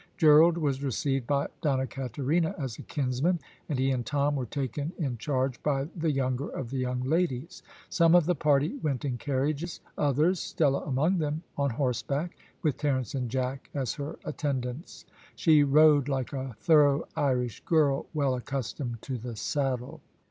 Gerald was received by Donna Katerina as a kinsman, and he and Tom were taken in charge by the younger of the young ladies. Some of the party went in carriages; others, Stella among them, on horseback, with Terence and Jack as her attendants. She rode like a thorough Irish girl well accustomed to the saddle.